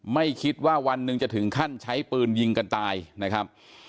ไม่คิดว่าวันหนึ่งจะถึงขั้นใช้ปืนยิงกันตายนะครับ